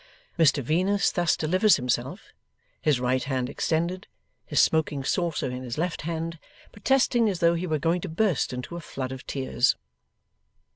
Mr Venus thus delivers himself, his right hand extended, his smoking saucer in his left hand, protesting as though he were going to burst into a flood of tears.